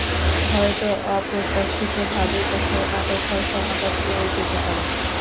হয়তো অপ্রত্যাশিতভাবে কোথাও না কোথাও সমাধান পেয়েও যেতে পারো।